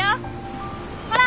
ほら